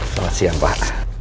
selamat siang pak